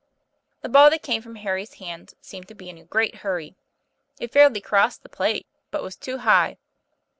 The ball that came from Harry's hands seemed to be in a great hurry. It fairly crossed the plate, but was too high.